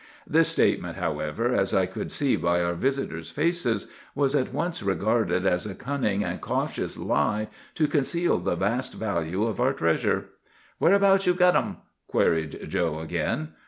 This statement, however, as I could see by our visitors' faces, was at once regarded as a cunning and cautious lie to conceal the vast value of our treasure. "'Whereabouts you get um?' queried Joe again.